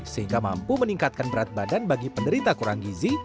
sehingga mampu meningkatkan berat badan bagi penderita kurang gizi